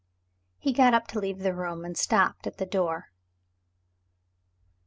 He got up to leave the room, and stopped at the door.